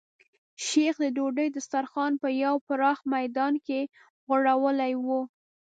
شیخ د ډوډۍ دسترخوان په یو پراخ میدان کې غوړولی و.